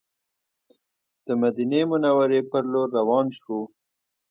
د مدینې منورې پر لور روان شوو.